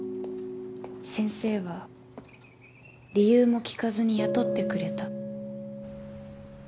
先生は理由も聞かずに雇ってくれた